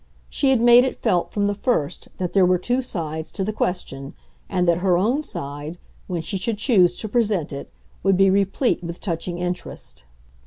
She had made it felt, from the first, that there were two sides to the question, and that her own side, when she should choose to present it, would be replete with touching interest.